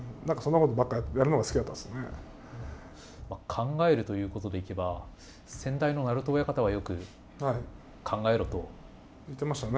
考えるということでいけば先代の鳴戸親方はよく考えろと言ってましたね。